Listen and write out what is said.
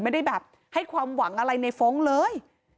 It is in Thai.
ไม่ได้แบบให้ความหวังอะไรในฟ้องเลย